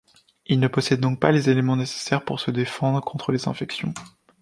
Il ne possède donc pas les éléments nécessaires pour se défendre contre les infections.